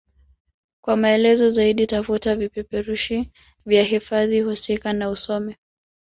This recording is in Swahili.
Kwa maelezo zaidi tafuta vipeperushi vya hifadhi husika na usome